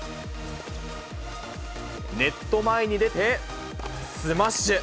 ネット前に出て、スマッシュ。